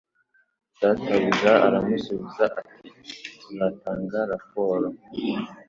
Databuja aramusubiza ati Tuzatanga raporo